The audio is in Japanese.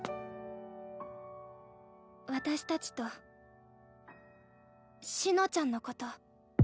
私たちと紫乃ちゃんのこと。